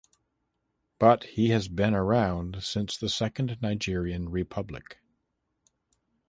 But he has been around since the Second Nigerian Republic.